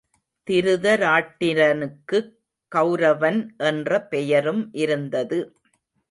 திருதராட்டிர னுக்குக் கவுரவன் என்ற பெயரும் இருந்தது.